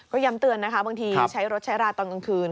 ก็ย้ำเตือนนะคะบางทีใช้รถใช้ราตอนกลางคืน